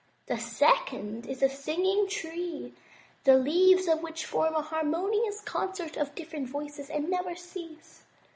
The second is the Singing Tree, the leaves of which form an harmonious concert of different voices and never cease.